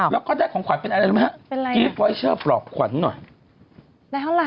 แล้วก็ได้ของขวัญเป็นอะไรรึเปล่า